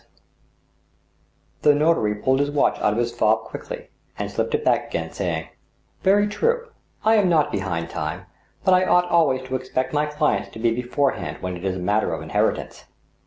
l6 THE STEEL HAMMER, The notary pulled his watch out of his fob quickly, and slipped it back again, saying :" Very true. I am not behind time, but I ought always to ex pect my clients to be beforehand when it is a matter of inherit ance."